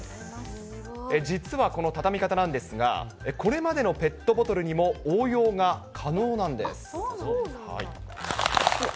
実はこの畳み方なんですが、これまでのペットボトルにも応用が可能なんです。